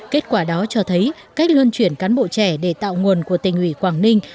kết quả đó cho thấy cách luân chuyển cán bộ trẻ để tạo nguồn của tỉnh ủy quảng ninh